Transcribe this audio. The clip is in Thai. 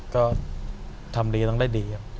ก็ทำดีต้องได้ดีครับ